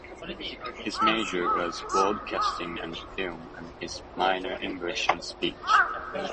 His major was broadcasting and film and his minor English and speech.